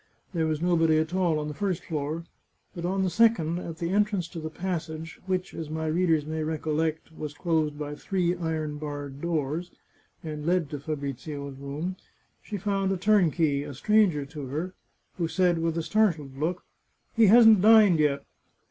There was nobody at all on the first floor, but on the second, at the en trance to the passage, which, as my readers may recollect, was closed by three iron barred doors, and led to Fabrizio's room, she found a turnkey, a stranger to her, who said, with a startled look :" He hasn't dined yet."